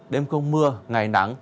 đêm không mưa ngày nắng